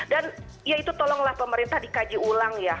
dan ya itu tolonglah pemerintah dikaji ulang ya